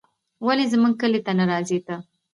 ولې زموږ کلي ته نه راځې ته